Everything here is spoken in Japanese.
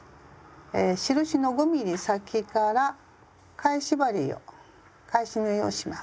印の５ｍｍ先から返し針を返し縫いをします。